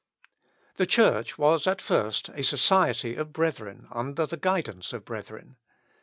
The Church was at first a society of brethren, under the guidance of brethren.